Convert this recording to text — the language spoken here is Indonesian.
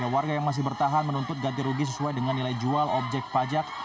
warga yang masih bertahan menuntut ganti rugi sesuai dengan nilai jual objek pajak